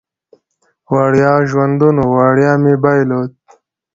وړیا ژوندون و، وړیا مې بایلود